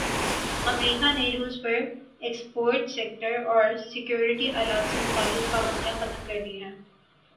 امریکا نے روس پرایکسپورٹ سیکٹر اور سیکورٹی آلات سے متعلق پابندیاں ختم کردی ہیں